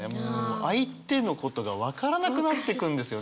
相手のことが分からなくなってくるんですよね。